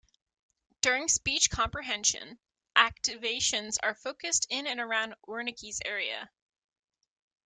During speech comprehension, activations are focused in and around Wernicke's area.